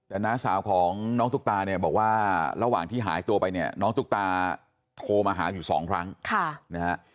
อาณาสาวของน้องตุ๊กตาบอกว่าระหว่างที่หายตัวไปน้องตุ๊กตาโทรมาหาอยู่สามครั้ง